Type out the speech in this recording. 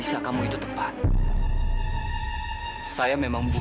jika ipan pada saat jika dia tak berhasil menerimaline juga